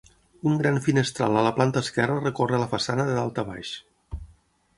Un gran finestral a la planta esquerra recorre la façana de dalt a baix.